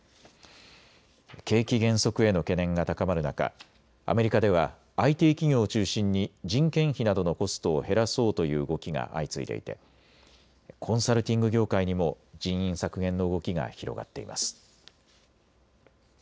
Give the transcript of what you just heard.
景気減速への懸念が高まる中、アメリカではＩＴ企業を中心に人件費などのコストを減らそうという動きが相次いでいてコンサルティング業界にも人員削減の動きが広がっています。